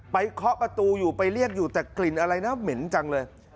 เคาะประตูอยู่ไปเรียกอยู่แต่กลิ่นอะไรนะเหม็นจังเลย